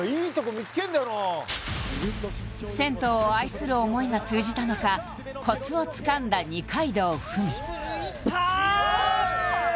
銭湯を愛する思いが通じたのかコツをつかんだ二階堂ふみいったー！